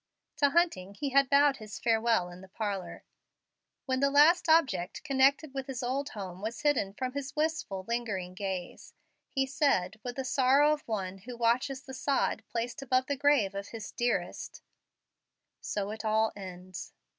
To Hunting he had bowed his farewell in the parlor. When the last object connected with his old home was hidden from his wistful, lingering gaze, he said, with the sorrow of one who watches the sod placed above the grave of his dearest, "So it all ends."